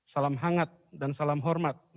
salam hangat dan salam hormat